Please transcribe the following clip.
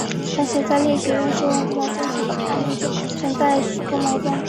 而且在历史认识问题和经济等方面均存在许多矛盾。